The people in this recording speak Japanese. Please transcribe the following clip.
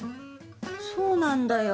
そうなんだよ。